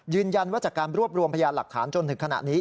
ยืนยันว่าจากการรวบรวมพยานหลักฐานจนถึงขณะนี้